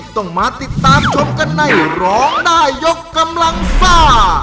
ต้องมาติดตามชมกันในร้องได้ยกกำลังซ่า